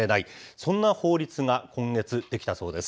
そんな法律が今月出来たそうです。